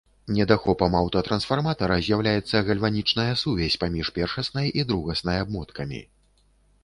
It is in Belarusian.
Недахопам аўтатрансфарматара з'яўляецца гальванічная сувязь паміж першаснай і другаснай абмоткамі.